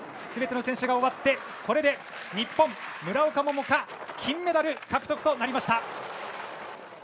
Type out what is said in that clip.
すべての選手が終わってこれで日本、村岡桃佳金メダル獲得となりました！